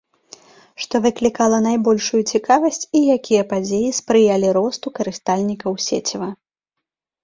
Што выклікала найбольшую цікавасць і якія падзеі спрыялі росту карыстальнікаў сеціва.